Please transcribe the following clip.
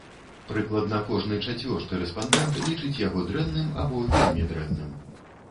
Прыкладна кожны чацвёрты рэспандэнт лічыць яго дрэнным або вельмі дрэнным.